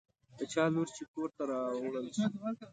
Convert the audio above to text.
د چا لور چې کور ته راوړل شي.